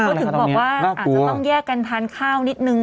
อาจจะต้องแยกกันทานข้าวนิดหนึ่ง